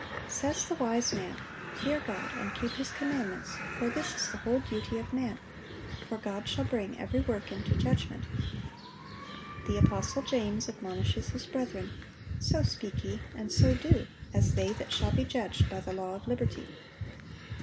Says the wise man: "Fear God, and keep His commandments: for this is the whole duty of man. For God shall bring every work into judgment."(849) The apostle James admonishes his brethren, "So speak ye, and so do, as they that shall be judged by the law of liberty."